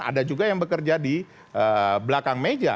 ada juga yang bekerja di belakang meja